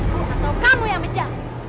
bukan kau kamu yang becat